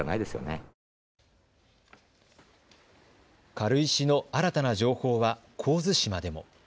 軽石の新たな情報は神津島でも。